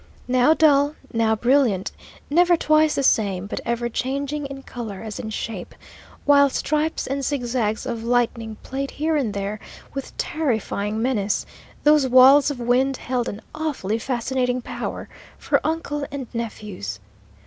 Now dull, now brilliant, never twice the same, but ever changing in colour as in shape, while stripes and zigzags of lightning played here and there with terrifying menace, those walls of wind held an awfully fascinating power for uncle and nephews.